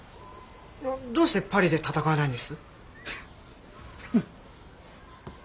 どうしてパリで闘わないんです？